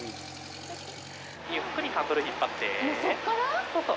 ゆっくりハンドル引っ張って。